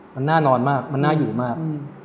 มันน่านอนมากมันน่าอยู่มาก